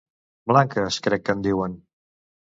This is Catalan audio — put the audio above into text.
Blanques, crec que en diuen.